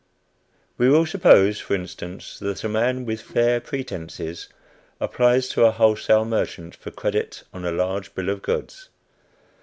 We will suppose, for instance, that a man with "fair pretences" applies to a wholesale merchant for credit on a large bill of goods.